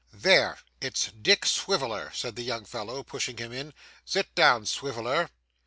'There. It's Dick Swiveller,' said the young fellow, pushing him in. 'Sit down, Swiveller.